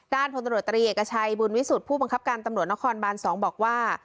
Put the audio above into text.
พลตำรวจตรีเอกชัยบุญวิสุทธิผู้บังคับการตำรวจนครบาน๒บอกว่า